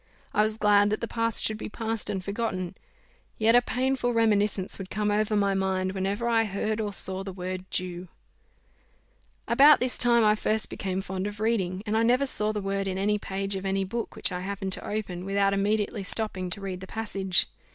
I was glad that the past should be past and forgotten; yet a painful reminiscence would come over my mind, whenever I heard or saw the word Jew. About this time I first became fond of reading, and I never saw the word in any page of any book which I happened to open, without immediately stopping to read the passage.